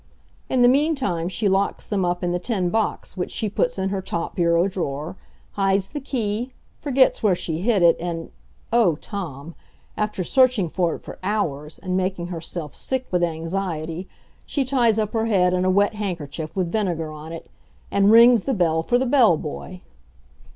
In the meantime she locks them up in the tin box which she puts in her top bureau drawer, hides the key, forgets where she hid it, and O Tom! after searching for it for hours and making herself sick with anxiety, she ties up her head in a wet handkerchief with vinegar on it and rings the bell for the bell boy!